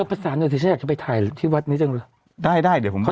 ก็ประสานหน่อยที่ฉันอยากจะไปถ่ายที่วัดนี้จังหรือได้ได้เดี๋ยวผมบอกให้